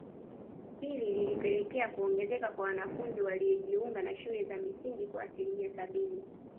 Hili lilipelekea kuongezeka kwa wanafunzi waliojiunga na shule za msingi kwa asilimia sabini